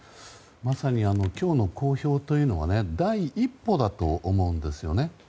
まさに、今日の公表は第一歩だと思うんですよね。